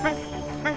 はい？